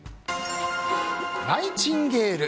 ナイチンゲール。